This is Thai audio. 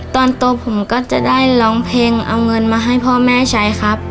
ตอนโตผมก็จะได้ร้องเพลงเอาเงินมาให้พ่อแม่ใช้ครับ